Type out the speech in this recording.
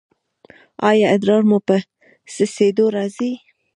ایا ادرار مو په څڅیدو راځي؟